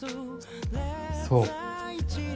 そう。